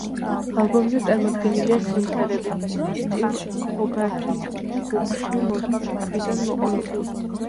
ალბომზე წარმოდგენილია სიმღერები სტივ ჰოგართის ჯგუფში მოსვლის დღიდან მოყოლებული.